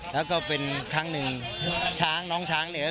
แล้วก็เป็นครั้งหนึ่งช้างน้องช้างเนี่ย